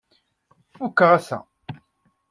Fukeɣ ass-a.